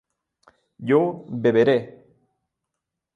yo beberé